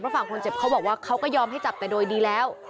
ฝั่งคนเจ็บเขาบอกว่าเขาก็ยอมให้จับแต่โดยดีแล้ว